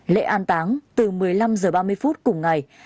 lễ an táng từ một mươi năm h ba mươi phút cùng ngày